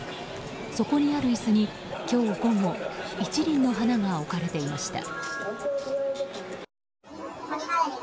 そこにある椅子に今日午後１輪の花が置かれていました。